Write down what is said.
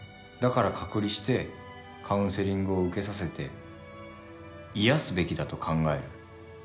だから隔離してカウンセリングを受けさせて癒やすべきだと考える。